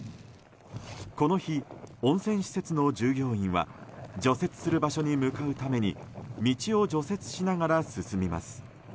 この日、温泉施設の従業員は除雪する場所に向かうために道を除雪しながら進みます。